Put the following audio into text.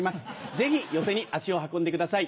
ぜひ寄席に足を運んでください。